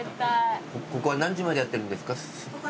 ここは何時までやってるんですか？